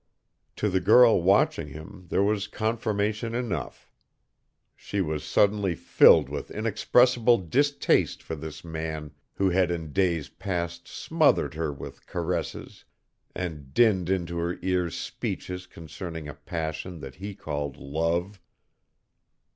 To the girl watching him there was confirmation enough. She was suddenly filled with inexpressible distaste for this man who had in days past smothered her with caresses and dinned into her ears speeches concerning a passion that he called love.